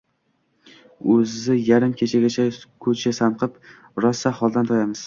O‘zi yarim kechagacha «ko‘cha sanqib» rosa holdan toyamiz.